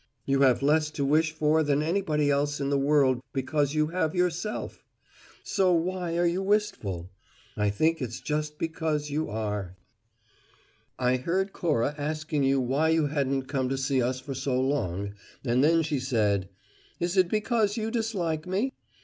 You have less to wish for than anybody else in the world because you have Yourself. So why are you wistful? I think it's just because you are! "I heard Cora asking you why you hadn't come to see us for so long, and then she said: `Is it because you dislike me?